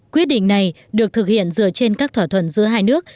quyết định này được thực hiện dựa trên các thỏa thuận giữa hai nước